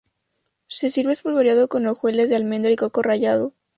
Se sirve espolvoreado con hojuelas de almendra y coco rallado.